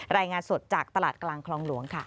รายงานสดจากตลาดกลางคลองหลวงค่ะ